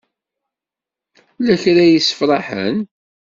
Lakra ysefrahen?